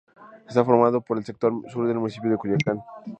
Está formado por el sector sur del municipio de Culiacán.